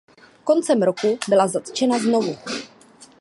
Koncem roku byla zatčena znovu.